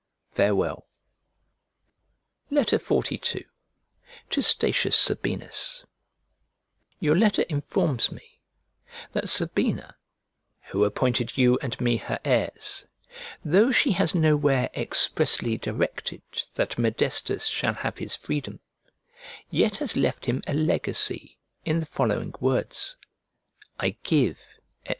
Farewell. XLII To STATIUS SABINUS YOUR letter informs me that Sabina, who appointed you and me her heirs, though she has nowhere expressly directed that Modestus shall have his freedom, yet has left him a legacy in the following words, "I give, &c.